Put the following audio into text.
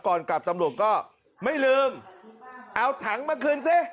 ก่อนกลับตำรวจก็ไม่ลืมเอาถังมาคืนสิ